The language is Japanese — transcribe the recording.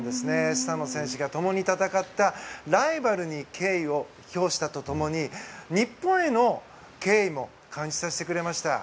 スタノ選手が共に戦ったライバルに敬意を表したと共に日本への敬意も感じさせてくれました。